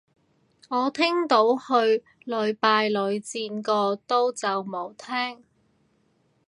我聽到去屢敗屢戰個到就冇聽